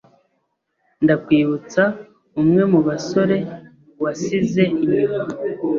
Ndakwibutsa umwe mubasore wasize inyuma?